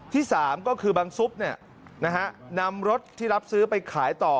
ที่๓ก็คือบางซุปเนี่ยนะฮะนำรถที่รับซื้อไปขายต่อ